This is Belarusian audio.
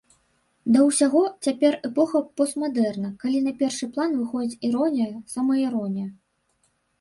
Да ўсяго, цяпер эпоха постмадэрна, калі на першы план выходзіць іронія, самаіронія.